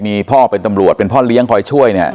มีพ่อเป็นตำรวจเป็นพ่อเลี้ยงคอยช่วยเนี่ย